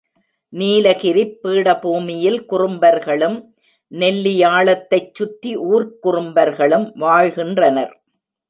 நீலகிரிப் பீடபூமியில் குறும்பர்களும், நெல்லியாளத்தை ச் சுற்றி ஊர்க்குறும்பர்களும் வாழ்கின்றனர்.